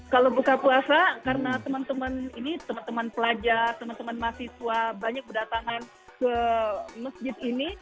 kalau buka puasa karena teman teman ini teman teman pelajar teman teman mahasiswa banyak berdatangan ke masjid ini